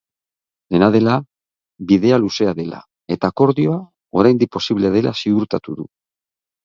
Dena dela, bidea luzea dela eta akordioa oraindik posible dela ziurtatu du.